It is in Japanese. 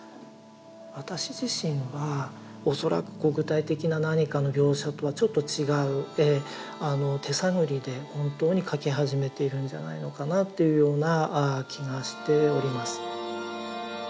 私自身は恐らく具体的な何かの描写とはちょっと違う手探りで本当に描き始めているんじゃないのかなっていうような気がしております。